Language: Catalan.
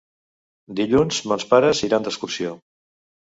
Dilluns mons pares iran d'excursió.